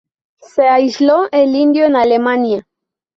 Se aisló el indio en Alemania.